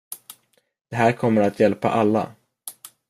Det här kommer att hjälpa alla.